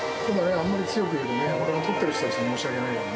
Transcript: あまり強く言うとね、俺が撮ってる人たちに申し訳ないからね。